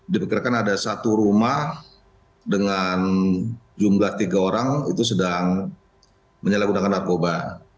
diperkirakan ada satu rumah dengan jumlah tiga orang itu sedang menyalahgunakan narkoba